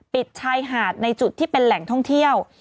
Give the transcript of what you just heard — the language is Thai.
ชายหาดในจุดที่เป็นแหล่งท่องเที่ยว